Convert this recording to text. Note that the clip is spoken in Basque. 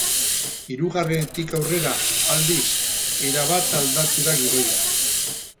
Hirugarrenetik aurrera, aldiz, erabat aldatu da gidoia.